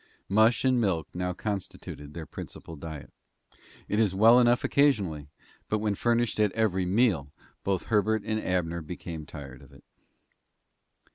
Mush and milk now constituted their principal diet. It is well enough occasionally, but, when furnished at every meal, both Herbert and Abner became tired of it.